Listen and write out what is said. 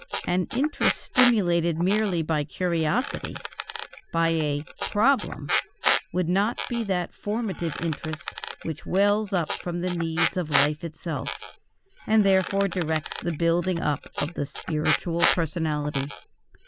An interest stimulated merely by curiosity, by a "problem," would not be that formative interest which wells up from the needs of life itself, and therefore directs the building up of the spiritual personality.